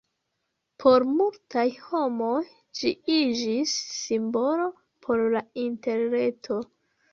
Por multaj homoj ĝi iĝis simbolo por la Interreto.